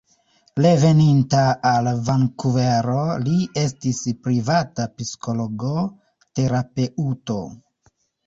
Reveninta al Vankuvero li estis privata psikologo-terapeuto.